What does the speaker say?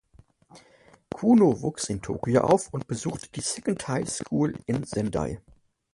Kuno wuchs in Tokio auf und besuchte die Second High School in Sendai.